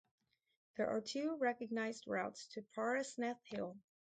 There are two recognized routes to Parasnath Hill.